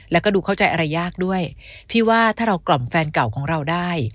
แล้วก็ดูเข้าใจอะไรยากด้วยพี่ว่าถ้าเรากล่อมแฟนเก่าของเราได้